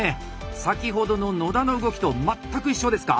先ほどの野田の動きと全く一緒ですか？